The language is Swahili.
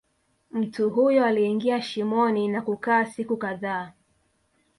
Mtu huyo aliingia shimoni na kukaa siku kadhaa